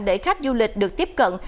để khách du lịch được tiếp cận